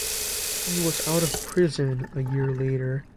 He was out of prison a year later.